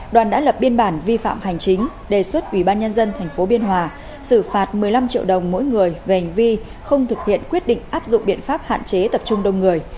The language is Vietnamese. đoàn đã lập biên bản vi phạm hành chính đề xuất ủy ban nhân dân tp biên hòa xử phạt một mươi năm triệu đồng mỗi người về hành vi không thực hiện quyết định áp dụng biện pháp hạn chế tập trung đông người